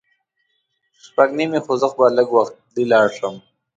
شپږ نیمې خو زه به لږ وخته لاړ شم.